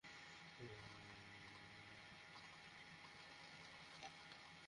দূর শালা, কার সাথে যাচ্ছিস?